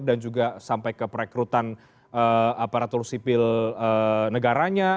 dan juga sampai ke perekrutan aparatur sipil negaranya